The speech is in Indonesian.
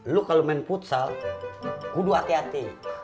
lu kalau main futsal kudu hati hati